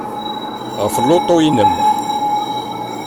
Ɣef lutu-inem?